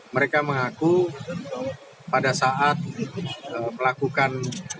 mereka mengaku pada saat melakukan